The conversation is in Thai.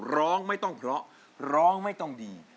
ร้องไม่ต้องเพราะร้องไม่ต้องดี